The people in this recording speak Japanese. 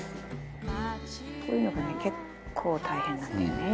こういうのがね結構大変なんだよね。